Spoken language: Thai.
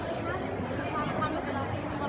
พี่แม่ที่เว้นได้รับความรู้สึกมากกว่า